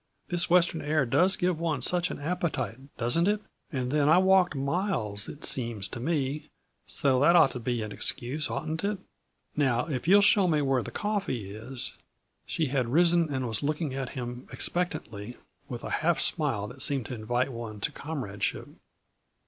This Western air does give one such an appetite, doesn't it? And then I walked miles, it seems to me; so that ought to be an excuse, oughtn't it? Now, if you'll show me where the coffee is " She had risen and was looking at him expectantly, with a half smile that seemed to invite one to comradeship.